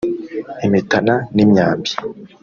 imitana n’imyambi